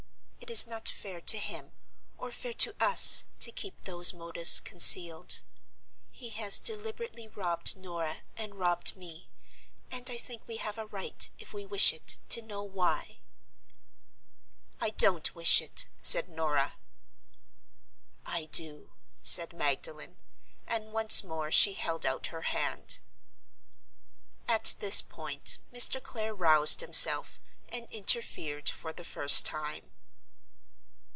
It is not fair to him, or fair to us, to keep those motives concealed. He has deliberately robbed Norah, and robbed me; and I think we have a right, if we wish it, to know why?" "I don't wish it," said Norah. "I do," said Magdalen; and once more she held out her hand. At this point Mr. Clare roused himself and interfered for the first time.